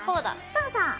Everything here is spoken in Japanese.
そうそう。